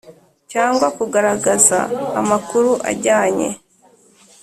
Cyangwa kugaragaza amakuru ajyanye